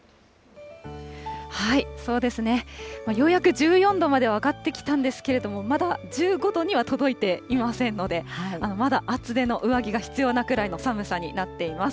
そうですね、ようやく１４度までは上がってきたんですけれども、まだ１５度には届いていませんので、まだ厚手の上着が必要なくらいの寒さになっています。